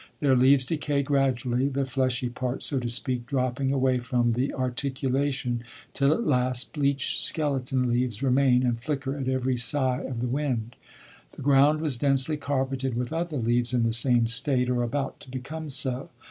Their leaves decay gradually, the fleshy part, so to speak, dropping away from the articulation till at last bleached skeleton leaves remain and flicker at every sigh of the wind. The ground was densely carpeted with other leaves in the same state, or about to become so.